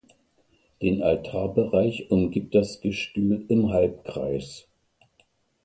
Den Altarbereich umgibt das Gestühl im Halbkreis.